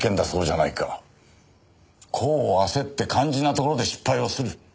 功を焦って肝心なところで失敗をする。